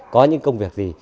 có những công việc gì